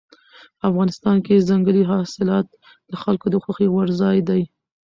افغانستان کې ځنګلي حاصلات د خلکو د خوښې وړ ځای دی.